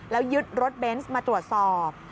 แล้วยึดรถเบนส์มาตรวจสอบ